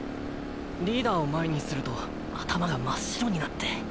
リーダーを前にすると頭が真っ白になって。